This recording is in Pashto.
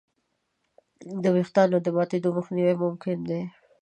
د وېښتیانو د ماتېدو مخنیوی ممکن دی.